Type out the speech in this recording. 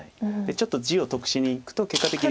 ちょっと地を得しにいくと結果的に。